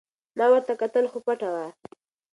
ما ورته کتل خو پټه وه.